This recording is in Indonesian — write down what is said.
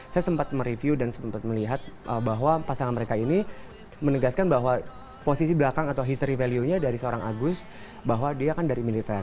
saya sempat mereview dan sempat melihat bahwa pasangan mereka ini menegaskan bahwa posisi belakang atau history value nya dari seorang agus bahwa dia kan dari militer